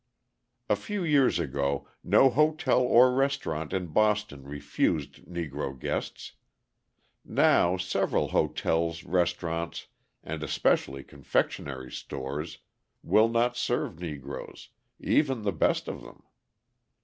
A few years ago no hotel or restaurant in Boston refused Negro guests; now several hotels, restaurants, and especially confectionery stores, will not serve Negroes, even the best of them.